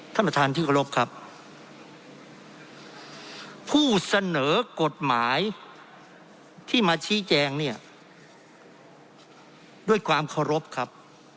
ท่านประธานที่เคารพครับผู้เสนอกฎหมายที่มาชี้แจงเนี่ยด้วยความเคารพครับ